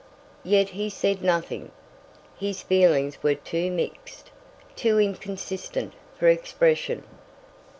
Yet he said nothing. His feelings were too mixed, too inconsistent for expression.